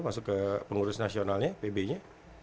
masuk ke pengurus nasionalnya pb nya